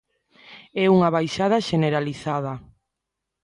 É unha baixada xeneralizada.